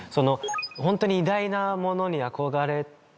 ホントに偉大なものに憧れて。